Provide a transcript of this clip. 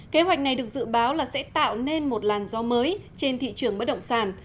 kế hoạch này được dự báo là sẽ tạo nên một làn gió mới trên thị trường bất động sản